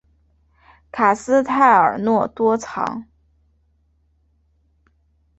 卡斯泰尔诺多藏。